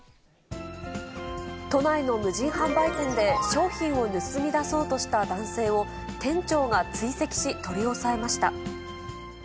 都内の無人販売店で商品を盗み出そうとした男性を、店長が追跡し、取り押さえました。